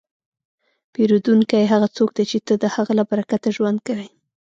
پیرودونکی هغه څوک دی چې ته د هغه له برکته ژوند کوې.